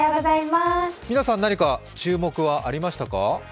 みなさん、何か注目はありましたか？